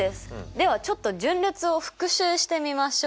ではちょっと順列を復習してみましょう。